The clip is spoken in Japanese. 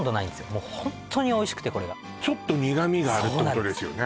もうホントにおいしくてこれがちょっと苦味があるってことですよね